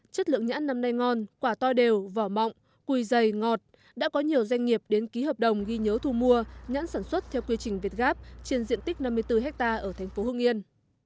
chất lượng nhãn năm nay ngon quả to đều vỏ mộng cùi dày ngọt đã có nhiều doanh nghiệp đến ký hợp đồng ghi nhớ thu mua nhãn sản xuất theo quy trình việt gáp trên diện tích năm mươi bốn hectare ở thành phố hương yên